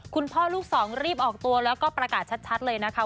คุณพ่อลูกสองรีบออกตัวแล้วก็ประกาศชัดเลยนะคะ